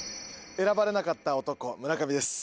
選ばれなかった男村上です。